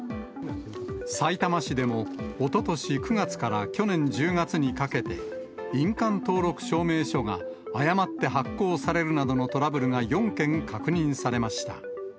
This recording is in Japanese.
さいたま市でも、おととし９月から去年１０月にかけて、印鑑登録証明書が誤って発行されるなどのトラブルが４件確認されました。